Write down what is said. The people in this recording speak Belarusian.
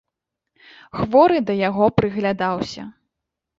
Хворы да яго прыглядаўся.